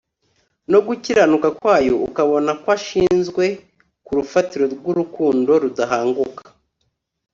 no gukiranuka kwayo ukabona kw ashinzwe ku rufatiro rwurukundo rudahanguka